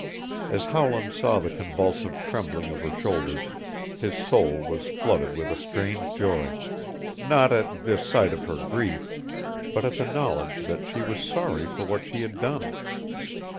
As Howland saw the convulsive trembling of her shoulders, his soul was flooded with a strange joy not at this sight of her grief, but at the knowledge that she was sorry for what she had done.